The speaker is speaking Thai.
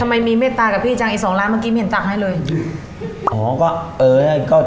ทำไมมีเม็ดตากับพี่จังไอ้สองร้านเมื่อกี้ไม่เห็นตากให้เลย